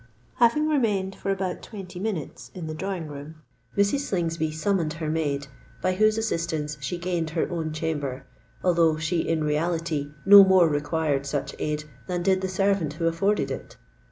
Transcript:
Having remained for about twenty minutes in the drawing room, Mrs. Slingsby summoned her maid, by whose assistance she gained her own chamber—although she in reality no more required such aid than did the servant who afforded it.